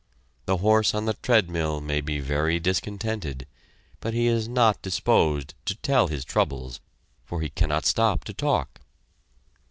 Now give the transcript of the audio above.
The horse on the treadmill may be very discontented, but he is not disposed to tell his troubles, for he cannot stop to talk.